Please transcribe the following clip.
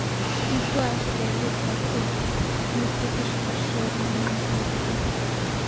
মৃত্যু আসিলে এরূপ ভক্ত মৃত্যুকে সহাস্যে অভিনন্দন করিতে পারেন।